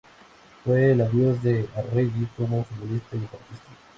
Fue el adiós de Arregui como futbolista y deportista.